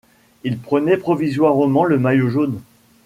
Il prenait provisoirement le maillot jaune.